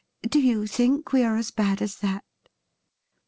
Do you think we are as bad as that?'